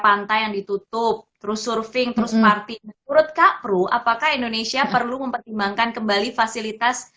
pantai yang ditutup terus surfing terus party menurut kak pru apakah indonesia perlu mempertimbangkan kembali fasilitas